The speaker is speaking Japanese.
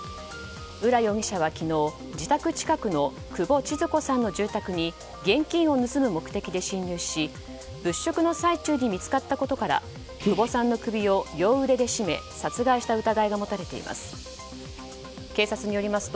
浦容疑者は昨日、自宅近くの久保千鶴子さんの住宅に現金を盗む目的で侵入し物色の最中に見つかったことから久保さんの首を両腕で絞め殺害した疑いが持たれています。